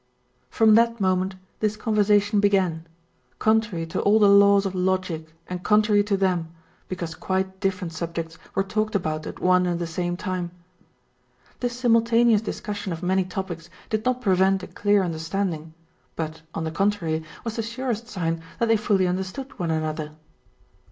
—from that moment this conversation began, contrary to all the laws of logic and contrary to them because quite different subjects were talked about at one and the same time. This simultaneous discussion of many topics did not prevent a clear understanding but on the contrary was the surest sign that they fully understood one another.